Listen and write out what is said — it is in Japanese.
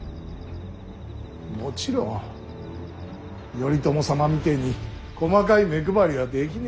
もちろん頼朝様みてえに細かい目配りはできねえ。